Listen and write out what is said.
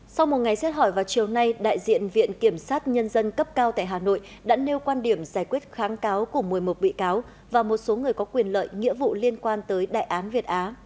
sau một ngày xét hỏi vào chiều nay đại diện viện kiểm sát nhân dân cấp cao tại hà nội đã nêu quan điểm giải quyết kháng cáo của một mươi một bị cáo và một số người có quyền lợi nghĩa vụ liên quan tới đại án việt á